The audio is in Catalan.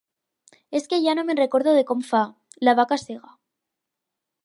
És que ja no me'n recordo de com fa, La vaca cega.